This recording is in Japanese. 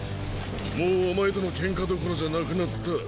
もうお前との喧嘩どころじゃなくなった。